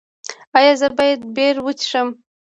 ایا زه باید بیر وڅښم؟